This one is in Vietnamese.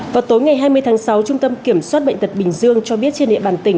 vào tối ngày hai mươi tháng sáu trung tâm kiểm soát bệnh tật bình dương cho biết trên địa bàn tỉnh